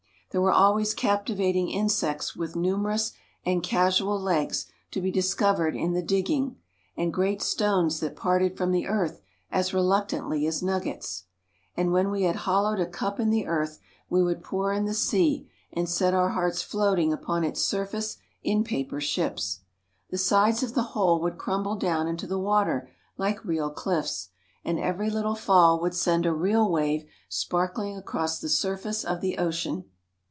There were always captivating insects with numerous and casual legs to be discovered in the digging, and great stones that parted from the earth as reluctantly as nuggets. And when we had hollowed a cup in the earth we would pour in the sea and set our hearts floating upon its surface in paper ships. The sides of the hole would crumble down into the water like real cliffs, and every little fall would send a real wave sparkling across the surface of the ocean.